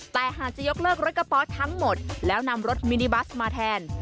แต่หากจะยกเลิกรถกระป๋อทั้งหมดแล้วนำรถมินิบัสมาแทน